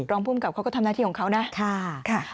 รองภูมิกับเขาก็ทำหน้าที่ของเขานะ